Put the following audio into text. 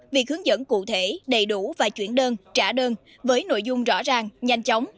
việc hướng dẫn cụ thể đầy đủ và chuyển đơn trả đơn với nội dung rõ ràng nhanh chóng